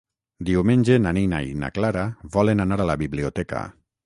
Diumenge na Nina i na Clara volen anar a la biblioteca.